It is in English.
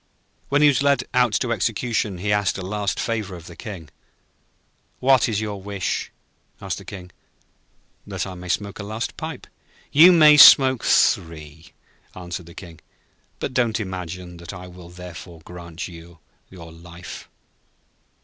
When he was led out to execution he asked a last favour of the King. 'What is your wish?' asked the King. 'That I may smoke a last pipe.' 'You may smoke three,' answered the King. 'But don't imagine that I will therefore grant you your life.'